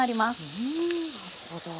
ふんなるほど。